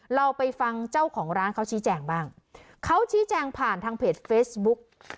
เราไปฟังเจ้าของร้านเขาชี้แจงบ้างเขาชี้แจงผ่านทางเพจเฟซบุ๊ก